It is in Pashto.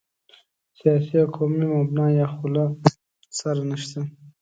سیاسي او قومي مبنا یا خو له سره نشته.